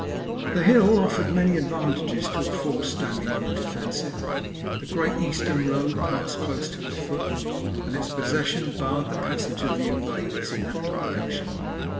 The hill offered many advantages to a force standing on the defensive. The great eastern road passed close to its foot, and its possession barred the passage of the invaders in that direction.